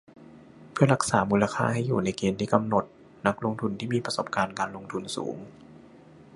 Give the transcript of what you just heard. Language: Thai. เพื่อรักษามูลค่าให้อยู่ในเกณฑ์ที่กำหนด นักลงทุนที่มีประสบการณ์การลงทุนสูง